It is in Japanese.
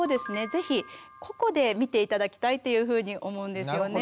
ぜひ個々で見て頂きたいというふうに思うんですよね。